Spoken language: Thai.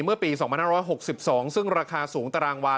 เมื่อปี๒๕๖๒ซึ่งราคาสูงตารางวา